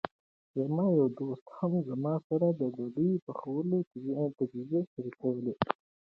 زما یو دوست هم زما سره د ډوډۍ پخولو تجربې شریکولې.